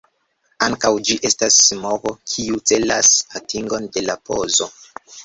Ankaŭ ĝi estas movo kiu celas atingon de la pozo.